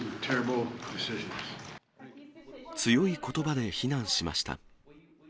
強いことばで非難しました。